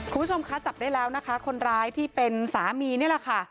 คุณผู้ชมคะจับได้แล้วนะคะคนร้ายที่เป็นสามีนี่แหละค่ะ